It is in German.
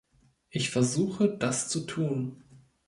Ich versuche, das zu tun.